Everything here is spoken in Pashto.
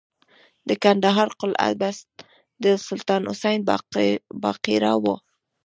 د کندهار قلعه بست د سلطان حسین بایقرا و